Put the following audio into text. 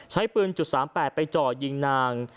ใช้ปืน๓๘ไปจ่อยิงนาง